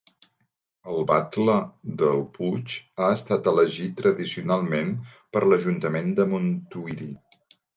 El batle del Puig ha estat elegit tradicionalment per l'Ajuntament de Montuïri.